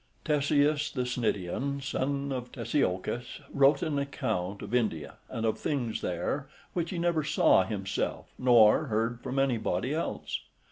Ctesias the Cnidian, son of Ctesiochus, wrote an account of India and of things there, which he never saw himself, nor heard from anybody else.